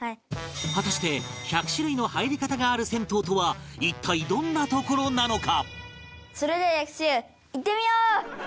果たして１００種類の入り方がある銭湯とは一体どんな所なのか？